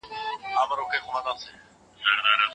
هیڅ شی ناممکن نه دی.